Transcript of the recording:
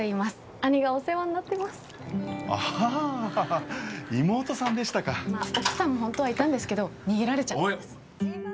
兄がお世話になってますああ妹さんでしたか奥さんもホントはいたんですけど逃げられちゃったんですおい